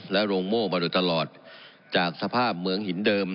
โรงโม่มาโดยตลอดจากสภาพเหมืองหินเดิม